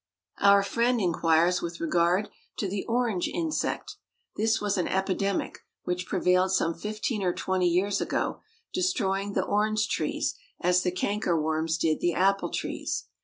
Our friend inquires with regard to the orange insect. This was an epidemic which prevailed some fifteen or twenty years ago, destroying the orange trees as the canker worms did the apple trees.